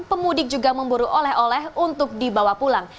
pemudik juga memburu oleh oleh untuk dibawa pulang